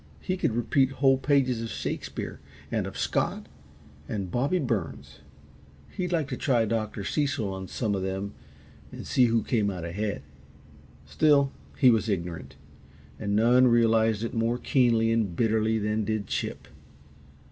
He could repeat whole pages of Shakespeare, and of Scott, and Bobbie Burns he'd like to try Dr. Cecil on some of them and see who came out ahead. Still, he was ignorant and none realized it more keenly and bitterly than did Chip.